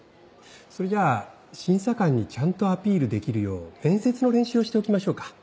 それじゃ審査官にちゃんとアピールできるよう面接の練習をしておきましょうか。